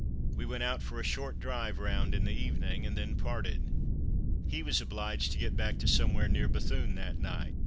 We went out for a short drive round in the evening, and then parted. He was obliged to get back to somewhere near Bethune that night.